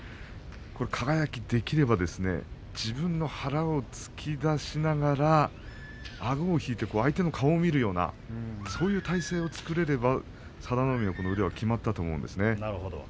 輝は、できれば自分の腹を突き出しながらあごを引いて相手の顔を見るようなそういう体勢を作れれば佐田の海の腕はきまったと思うんです。